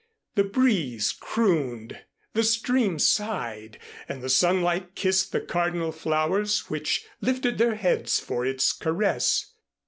The breeze crooned, the stream sighed and the sunlight kissed the cardinal flowers, which lifted their heads for its caress.